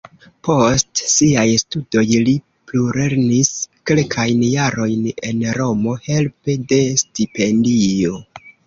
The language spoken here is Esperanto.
Post siaj studoj li plulernis kelkajn jarojn en Romo helpe de stipendio.